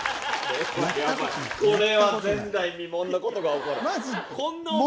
これは前代未聞なことが起こる。